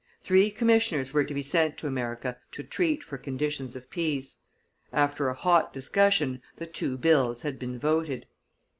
Three commissioners were to be sent to America to treat for conditions of peace. After a hot discussion, the two bills had been voted.